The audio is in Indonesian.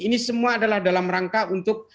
ini semua adalah dalam rangka untuk